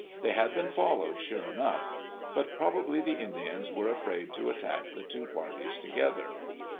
They had been followed, sure enough. But probably the Indians were afraid to attack the two parties together.